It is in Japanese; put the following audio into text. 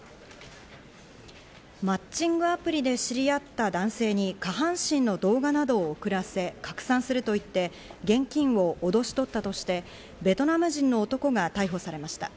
マッチングアプリで知り合った男性に下半身の動画などを送らせ、拡散すると言って現金をおどし取ったとして、ベトナム人の男が逮捕されました。